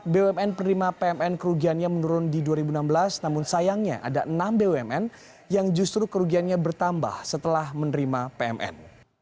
bumn penerima pmn kerugiannya menurun di dua ribu enam belas namun sayangnya ada enam bumn yang justru kerugiannya bertambah setelah menerima pmn